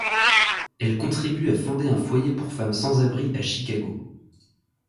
Elle contribue à fonder un foyer pour femmes sans-abri à Chicago.